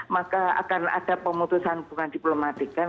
maka akan ada pemutusan hubungan diplomatikkan